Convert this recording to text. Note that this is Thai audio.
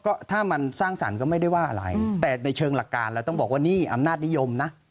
ก็ถ้ามันสร้างสรรค์ก็ไม่ได้ว่าอะไรแต่ในเชิงหลักการเราต้องบอกว่านี่อำนาจนิยมนะ